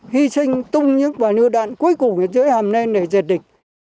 hy sinh tung những vài nửa đạn cuối cùng dưới hàm lên để giết địch